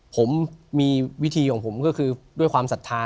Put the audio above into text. ผมมีวิธีของผมก็คือด้วยความศรัทธา